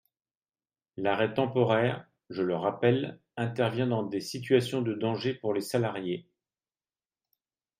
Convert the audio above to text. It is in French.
L’arrêt temporaire, je le rappelle, intervient dans des situations de danger pour les salariés.